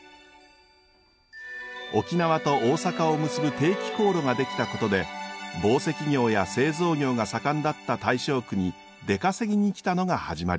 沖縄と大阪を結ぶ定期航路ができたことで紡績業や製造業が盛んだった大正区に出稼ぎに来たのが始まりです。